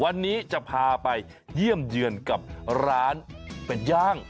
วันนี้จะพาไปเยี่ยมเยือนกับร้านเป็ดย่าง